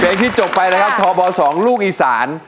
ที่จบไปนะครับทบ๒ลูกอีสาน